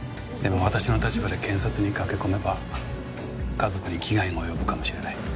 でも私の立場で検察に駆け込めば家族に危害が及ぶかもしれない。